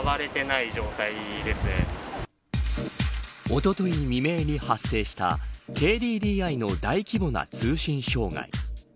おととい未明に発生したＫＤＤＩの大規模な通信障害。